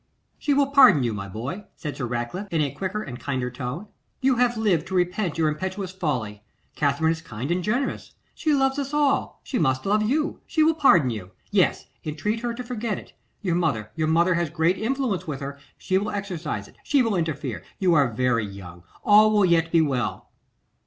'She will pardon you, my boy,' said Sir Ratcliffe, in a quicker and kinder tone. 'You have lived to repent your impetuous folly; Katherine is kind and generous; she loves us all; she must love you; she will pardon you. Yes! entreat her to forget it; your mother, your mother has great influence with her; she will exercise it, she will interfere; you are very young, all will yet be well.